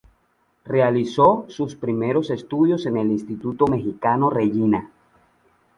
Realizó sus primeros estudios en el Instituto Mexicano Regina.